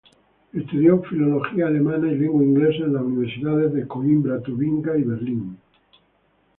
Estudió Filología alemana y lengua inglesa en las universidades de Coimbra, Tubinga y Berlín.